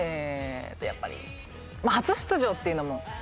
やっぱりまあ初出場っていうのもあるので。